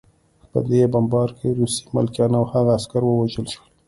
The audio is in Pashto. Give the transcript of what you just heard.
په دې بمبار کې روسي ملکیان او هغه عسکر ووژل شول